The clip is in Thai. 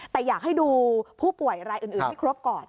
แต่อยากให้ดูผู้ป่วยรายอื่นให้ครบก่อน